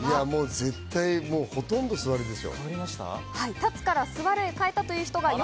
絶対ほとんど座るでしょ。